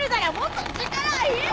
はい！